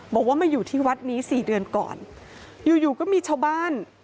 บอกว่ามาอยู่ที่วัดนี้สี่เดือนก่อนอยู่อยู่ก็มีชาวบ้าน